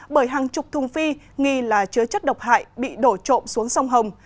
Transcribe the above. bởi hàng chục thùng phi nghi là chứa chất độc hại bị đổ trộm xuống sông hồng